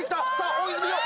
大泉洋